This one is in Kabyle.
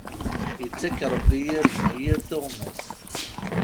Ittak Rebbi irden i yir tuɣmas.